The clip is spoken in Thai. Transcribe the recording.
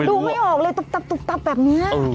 ดูไม่ออกเลยตุบแบบนี้